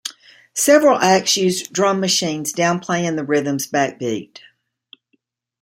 Several acts used drum machines downplaying the rhythm's backbeat.